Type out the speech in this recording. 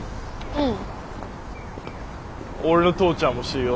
うん。